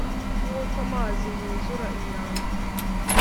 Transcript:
nk’uko amazi yuzura inyanja!